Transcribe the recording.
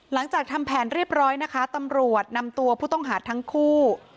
หลังจากทำแผนเรียบร้อยนะคะตำรวจนำตัวผู้ต้องหาทั้งคู่